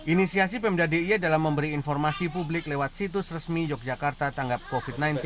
inisiasi pemda d i e dalam memberi informasi publik lewat situs resmi yogyakarta tanggap covid sembilan belas